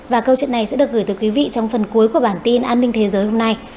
và câu chuyện này sẽ được gửi tới quý vị trong phần cuối của bản tin an ninh thế giới hôm nay